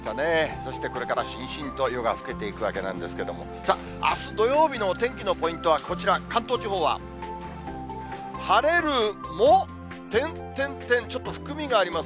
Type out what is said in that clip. そしてこれからしんしんと夜が更けていくわけなんですけれども、さあ、あす土曜日のお天気のポイントはこちら、関東地方は晴れるも、てんてんてん、ちょっと含みがあります。